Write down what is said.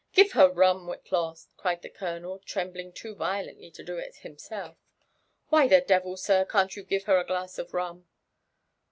Give her rum, Whillawl " cried the colonel, trembling too Yio lently to do it bimaelf. ''Why the devils sir, can't you give her a glass of ruo)